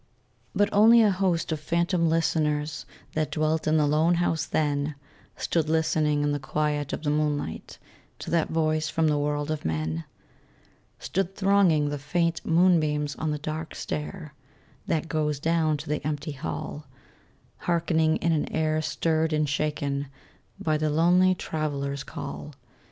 But only a host of phantom listeners That dwelt in the lone house then Stood listening in the quiet of the moonlight To that voice from the world of men: Stood thronging the faint moonbeams on the dark stair That goes down to the empty hall, Hearkening in an air stirred and shaken By the lonely Traveler's call.